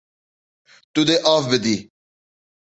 Tu dê av bidî.